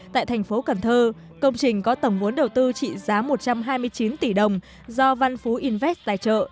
tại thành phố cần thơ công trình có tổng vốn đầu tư trị giá một trăm hai mươi chín tỷ đồng do văn phú invest tài trợ